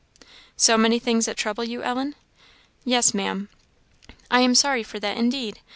"So many things that trouble you, Ellen?" "Yes, Maam." "I am sorry for that, indeed.